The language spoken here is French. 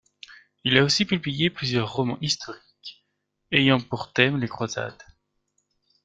Il a aussi publié plusieurs romans historiques, ayant pour thème les croisades.